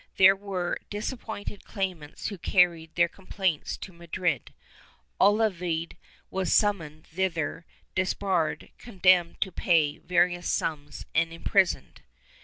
There were disappointed claimants who carried their complaints to Madrid. Olavide was summoned thither, disbarred, condemned to pay various sums and imprisoned.